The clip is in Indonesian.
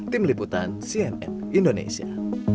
tim liputan cnn indonesia